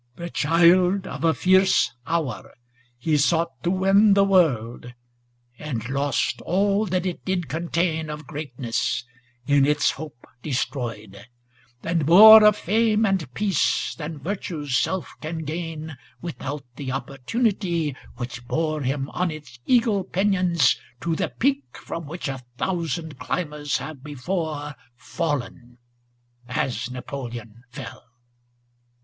' 'The child of a fierce hour; he sought to win FRAGMENTS 475 * The world, and lost all that it did contain Of greatness, in its hope destroyed; and more Of fame and peace than virtue's self can gain 220 * Without the opportunity which bore Him on its eagle pinions to the peak From which a thousand climbers have be fore * Fallen, as Napoleon fell.'